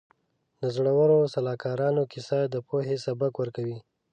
د زړورو سلاکارانو کیسه د پوهې سبق ورکوي.